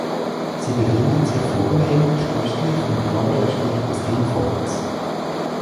Sie befinden sich vornehmlich östlich und nordöstlich des Hillforts.